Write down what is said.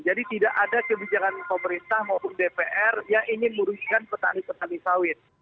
tidak ada kebijakan pemerintah maupun dpr yang ingin merugikan petani petani sawit